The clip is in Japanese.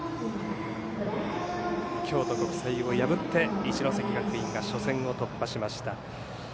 京都国際を破って一関学院が初戦を突破しました。